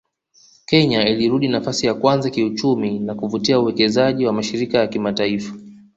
Kenya ilirudi nafasi ya kwanza kiuchumi na kuvutia uwekezaji wa mashirika ya kimataifa